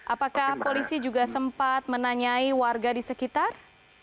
apakah polisi juga sempat menanyai warga di sekitar